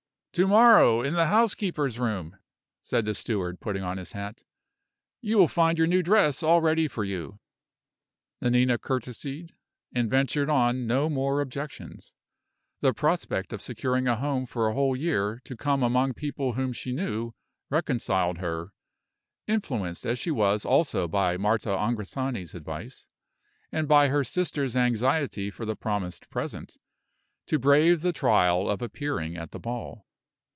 "To morrow, in the housekeeper's room," said the steward, putting on his hat, "you will find your new dress all ready for you." Nanina courtesied, and ventured on no more objections. The prospect of securing a home for a whole year to come among people whom she knew, reconciled her influenced as she was also by Marta Angrisani's advice, and by her sister's anxiety for the promised present to brave the trial of appearing at the ball.